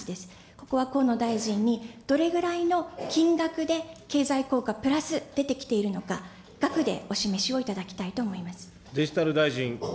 ここは河野大臣にどれぐらいの金額で経済効果プラス出てきているのか、額でお示しをいただきたいと思います。